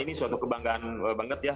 ini suatu kebanggaan banget ya